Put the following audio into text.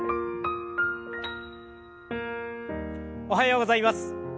おはようございます。